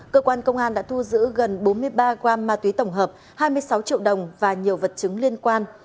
cơ quan công an đã thu giữ gần bốn mươi ba gram ma túy tổng hợp hai mươi sáu triệu đồng và nhiều vật chứng liên quan